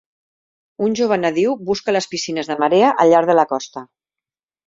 Un jove nadiu busca les piscines de marea al llarg de la costa.